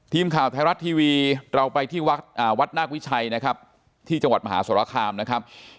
ทีมข่าวไทยรัฐทีวีเราไปที่วัดวัดนาควิชัยนะครับที่จังหวัดมหาสรคามนะครับ